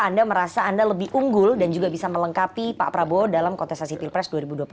anda merasa anda lebih unggul dan juga bisa melengkapi pak prabowo dalam kontestasi pilpres dua ribu dua puluh empat